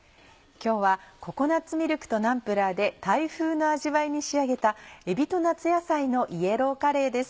今日はココナッツミルクとナンプラーでタイ風の味わいに仕上げたえびと夏野菜のイエローカレーです。